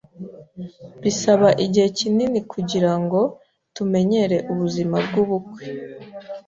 Bisaba igihe kinini kugirango tumenyere ubuzima bwubukwe.